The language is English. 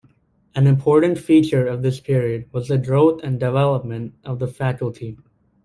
An important feature of this period was the growth and development of the faculty.